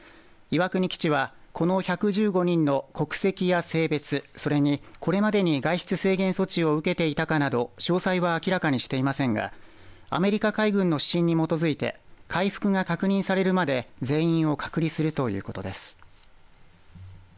岩国基地はこの１１５人の国籍や性別それに、これまでに外出制限措置を受けていたかなど詳細は明らかにしていませんがアメリカ海軍の指針に基づいて回復が確認されるまで全員を隔離するということです。